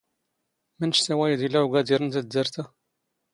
ⵎⵛⵜ ⴰⵡⴰ ⴰⵢⴷ ⵉⵍⴰ ⵓⴳⴰⴷⵉⵔ ⵏ ⵜⴰⴷⴷⴰⵔⵜ ⴰ!